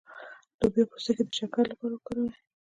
د لوبیا پوستکی د شکر لپاره وکاروئ